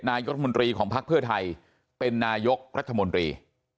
นายุธมนตรีของพักเพื่อไทยเป็นนายุกษ์รัฐมนตรี